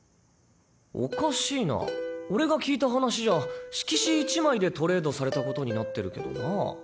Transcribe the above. おかしいなぁ俺が聞いた話じゃ色紙１枚でトレードされたことになってるけどなぁ。